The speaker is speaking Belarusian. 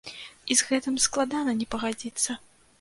І з гэтым складана не пагадзіцца!